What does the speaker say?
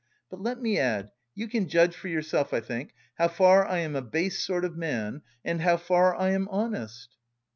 But let me add, you can judge for yourself, I think, how far I am a base sort of man and how far I am honest."